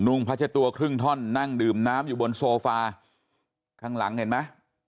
งพัชตัวครึ่งท่อนนั่งดื่มน้ำอยู่บนโซฟาข้างหลังเห็นไหม